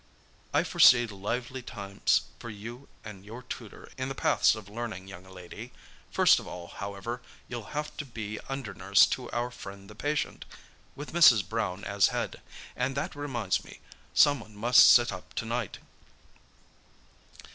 "I foresee lively times for you and your tutor in the paths of learning, young lady. First of all, however, you'll have to be under nurse to our friend the patient, with Mrs. Brown as head. And that reminds me—someone must sit up to night."